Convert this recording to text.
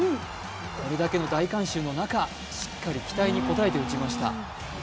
これだけの大観衆の中、しっかり期待に応えて打ちました。